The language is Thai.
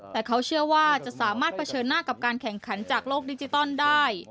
แต่เขาเชื่อว่าจะสามารถเผชิญหน้ากับการแข่งขันจากโลกดิจิตอลได้